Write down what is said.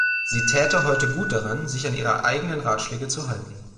Sie täte heute gut daran, sich an ihre eigenen Ratschläge zu halten.